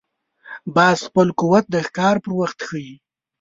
باز خپل قوت د ښکار پر وخت ښيي